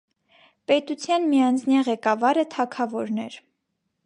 Պետութեան միանձնեայ ղեկավարը թագաւորն էր։